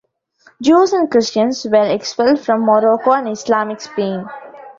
Jews and Christians were expelled from Morocco and Islamic Spain.